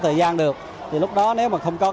thời gian được lúc đó nếu mà không có